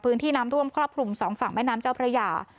พื้นที่น้ำท่วมครอบคลุมสองฝั่งแม่น้ำเจ้าพระยา